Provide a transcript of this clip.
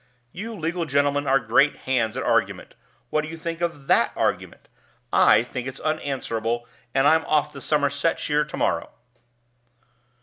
You legal gentlemen are great hands at argument. What do you think of that argument? I think it's unanswerable and I'm off to Somersetshire to morrow."